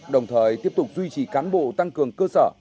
đồng thời tiếp tục duy trì cán bộ tăng cường cơ sở